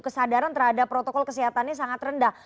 kesadaran terhadap protokol kesehatannya sangat rendah